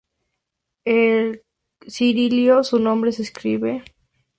En cirílico su nombre se escribe: Ти́хон Успе́нский.